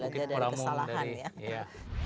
belanja dari kesalahan ya